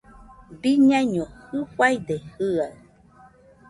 Biñaiño jɨfaide jɨaɨ